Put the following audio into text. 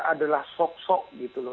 adalah sok sok gitu loh